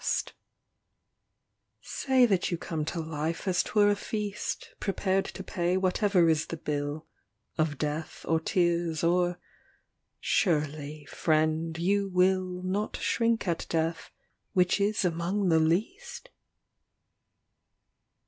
THE DIWAN OP ABUŌĆÖ L ALA 49 LXXIV Say that you come to life as ŌĆÖtwero a feast, Prepared to pay whatever is the bill Of death or tears or surely, friend, you will Not shrink at death, which is among the least